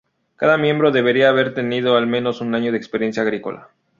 Cada miembro debía haber tenido al menos un año de experiencia agrícola.